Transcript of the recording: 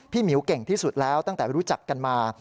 หมิวเก่งที่สุดแล้วตั้งแต่รู้จักกันมา